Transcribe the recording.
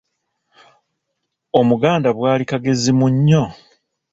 Omuganda bwali “kagezi munnyo? ”